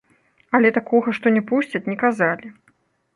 Але такога, што не пусцяць, не казалі.